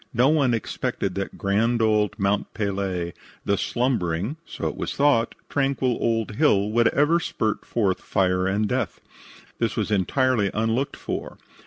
No one expected that grand old Mount Pelee, the slumbering (so it was thought) tranquil old hill, would ever spurt forth fire and death. This was entirely unlooked for.